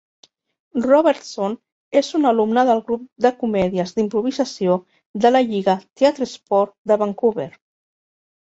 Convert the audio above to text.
Robertson és un alumne del grup de comèdies d'improvisació de la Lliga TeatreSports de Vancouver.